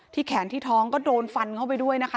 แขนที่ท้องก็โดนฟันเข้าไปด้วยนะคะ